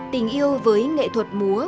tình yêu với nghệ thuật múa